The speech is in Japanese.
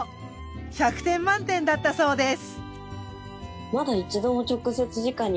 １００点満点だったそうです。